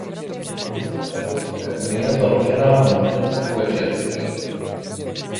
Je to vize vývoje Evropské unie založená na metodě Společenství.